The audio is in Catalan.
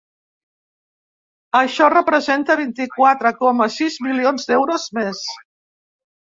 Això representa vint-i-quatre coma sis milions d’euros més.